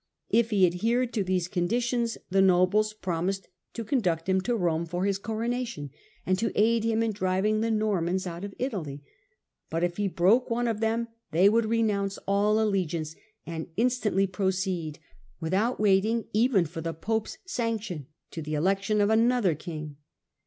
If he adhered to these conditions the nobles promised to conduct him Digitized by VjOOQIC Henry IV. under the Ban 125 to Rome for his corouatiou, and to aid him in driving the Normans out of Italy ; but if he broke one of them they would renounce all allegiance, and instantly pro ceed, without waiting even for the pope's sanction, to the election of another king.